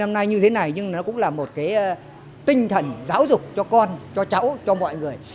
hôm nay như thế này nhưng nó cũng là một cái tinh thần giáo dục cho con cho cháu cho mọi người